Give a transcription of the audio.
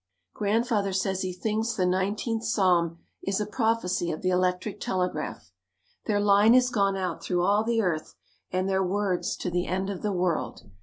Grandfather says he thinks the 19th Psalm is a prophecy of the electric telegraph. "Their line is gone out through all the earth and their words to the end of the world."